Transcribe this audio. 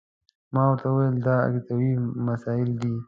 ما ورته وویل دا عقیدوي مسایل دي.